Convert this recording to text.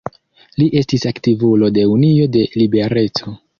Li estis aktivulo de Unio de Libereco.